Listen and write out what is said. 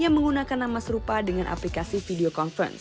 yang menggunakan nama serupa dengan aplikasi zoom